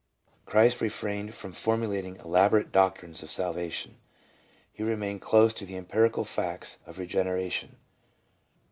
Christ refrained from formulating elaborate doctrines of salvation, he remained close to the empirical facts of regen eration.